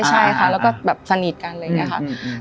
ใช่ค่ะแล้วก็แบบสนิทกันอะไรอย่างนี้ค่ะ